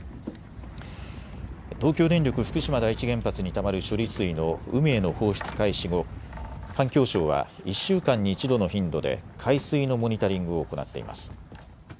東京電力福島第一原発にたまる処理水の海への放出開始後、環境省は１週間に１度の頻度で海水のモニタリングを行っています。